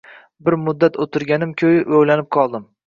Bir muddat o`tirganim ko`yi o`ylanib qoldim